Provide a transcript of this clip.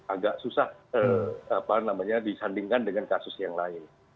agak susah disandingkan dengan kasus yang lain